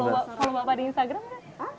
follow bapak di instagram gak